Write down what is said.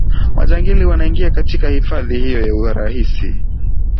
majangili wanaingia katika hifadhi hiyo kwa urahisi